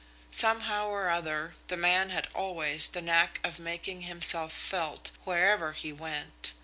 Somehow or other, the man had always the knack of making himself felt wherever he went.